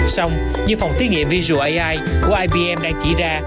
xong như phòng thí nghiệm visual ai của ibm đang chỉ ra